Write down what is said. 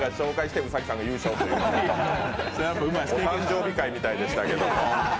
お誕生日会みたいでしたけれども。